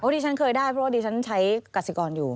ที่ฉันเคยได้เพราะว่าดิฉันใช้กสิกรอยู่